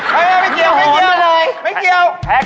เฮ้ยแม่เกียวแม่เกียวแม่เกียวคม